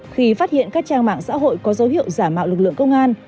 khi phát hiện các trang mạng xã hội có dấu hiệu giả mạo lực lượng công an